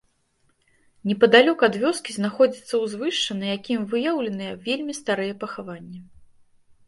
Непадалёк ад вёскі знаходзіцца ўзвышша, на якім выяўленыя вельмі старыя пахаванні.